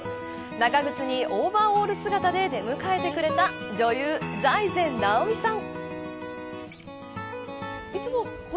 長靴にオーバーオール姿で出迎えてくれた女優、財前直見さん。